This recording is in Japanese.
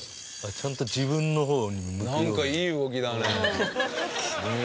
ちゃんと自分の方に向くように。